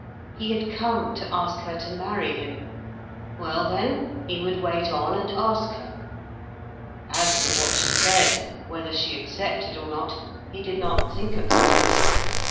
He had come to ask her to marry him—well then, he would wait on, and ask her. As for what she said, whether she accepted or not, he did not think about it.